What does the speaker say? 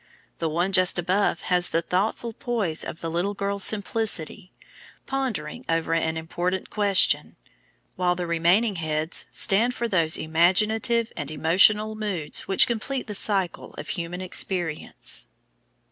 The one just above has the thoughtful poise of the little girl Simplicity, pondering over an important question, while the remaining heads stand for those imaginative and emotional moods which complete the cycle of human experience.